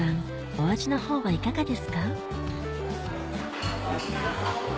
お味の方はいかがですか？